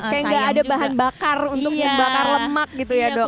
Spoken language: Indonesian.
kayak gak ada bahan bakar untuk membakar lemak gitu ya dok